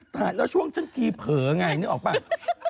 กันชัยชอบกัดคนลับหลัง